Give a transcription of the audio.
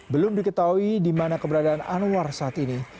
belum diketahui di mana keberadaan anwar saat ini